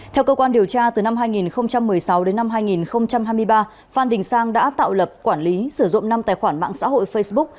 theo cơ quan điều tra từ năm hai nghìn một mươi sáu đến năm hai nghìn hai mươi ba phan đình sang đã tạo lập quản lý sử dụng năm tài khoản mạng xã hội facebook